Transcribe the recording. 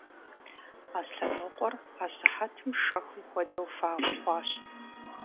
Аслъэнокъуэр асыхьэтым шэхум хуэдэу фагъуэ хъуащ.